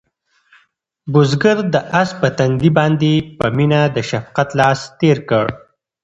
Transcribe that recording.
بزګر د آس په تندي باندې په مینه د شفقت لاس تېر کړ.